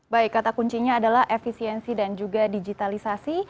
baik kata kuncinya adalah efisiensi dan juga digitalisasi